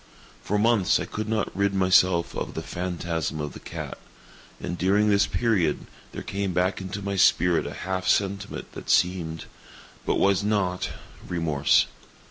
For months I could not rid myself of the phantasm of the cat; and, during this period, there came back into my spirit a half sentiment that seemed, but was not, remorse.